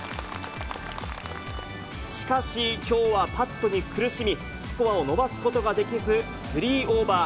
しかし、きょうはパットに苦しみ、スコアを伸ばすことができず、スリーオーバー。